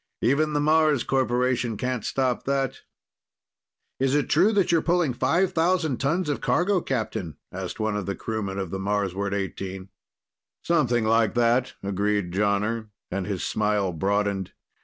"Even the Mars Corporation can't stop that." "Is it true that you're pulling five thousand tons of cargo, Captain?" asked one of the crewmen of the Marsward XVIII. "Something like that," agreed Jonner, and his smile broadened.